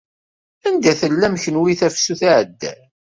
Anda tellam kenwi tafsut iɛeddan?